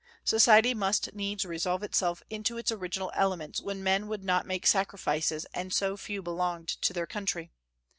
Society must needs resolve itself into its original elements when men would not make sacrifices, and so few belonged to their country.